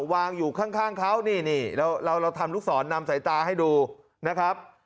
วางอยู่ข้างเขานี่เราทำลูกศรนำสายตาให้ดูนะครับ